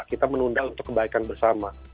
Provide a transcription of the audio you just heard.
kita menunda untuk kebaikan bersama